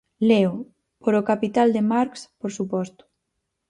Leo: Por 'O capital' de Marx, por suposto.